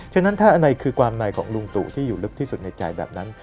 ฉะนั้นถ้าอันไหนคือความในของลุงตู่ที่อยู่ลึกที่สุดในใจแบบนั้น